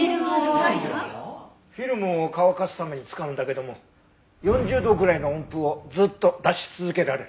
フィルムを乾かすために使うんだけども４０度ぐらいの温風をずっと出し続けられる。